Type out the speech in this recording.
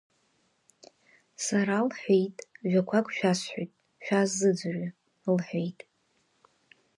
Сара, — лҳәеит, ажәақәак шәасҳәоит шәаасзыӡырҩы, — лҳәеит.